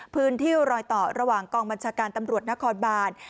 พื้นที่รอยต่อระหว่างกองบัญชาการตำรวจนครบาน